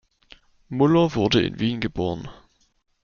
Muller wurde in Wien geboren.